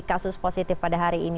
kasus positif pada hari ini